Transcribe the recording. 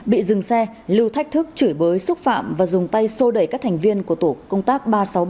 bị dừng xe lưu thách thức chửi bới xúc phạm và dùng tay sô đẩy các thành viên của tổ công tác ba trăm sáu mươi ba